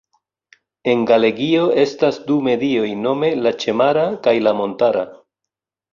En Galegio estas du medioj nome la ĉemara kaj la montara.